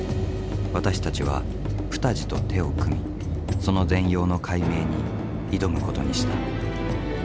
私たちはプタジと手を組みその全容の解明に挑むことにした。